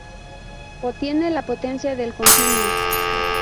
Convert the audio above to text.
O tiene la potencia del continuo.